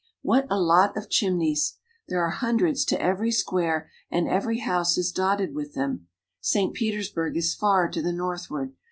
What a lot of chimneys ! There are hundreds to every square, and every house is dotted with them. St, Petersburg is far to the northward.